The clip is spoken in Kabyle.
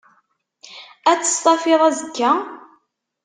Att stafiḍ azekka?